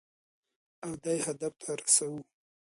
او دې هدف ته رسېږو.